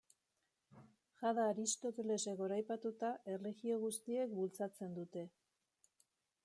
Jada Aristotelesek goraipatua, erlijio guztiek bultzatzen dute.